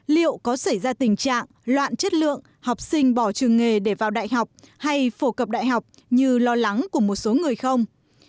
liệu có xảy ra tình trạng loạn chất lượng học sinh bỏ trường nghề để vào đại học hay phổ cập đại học như lo lắng của một số người không